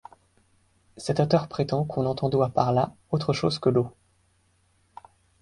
Cet auteur prétend qu’on n’entendoit par-là autre chose que l’eau.